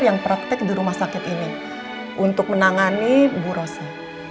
yang praktek di rumah sakit ini untuk menangani bu rosi